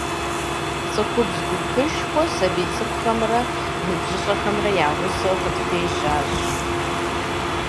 ЦӀыхубз гупышхуэ, сабий цӀыкӀухэмрэ ныбжьыщӀэхэмрэ я гъусэу къытпежьащ.